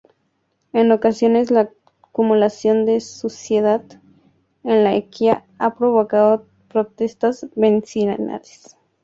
En ocasiones, la acumulación de suciedad en la acequia ha provocado protestas vecinales.